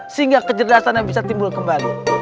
sehingga kecerdasan yang bisa timbul kembali